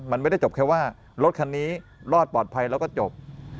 มันไม่ได้จบแค่ว่ารถคันนี้รอดปลอดภัยแล้วก็จบ